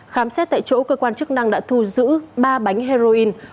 khám xét tại chỗ cơ quan chức năng đã thu giữ ba bánh heroin